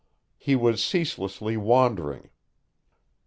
He was ceaselessly wandering.